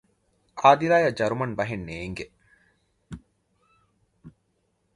އާދިލާއަށް ޖަރުމަނު ބަހެއް ނޭނގެ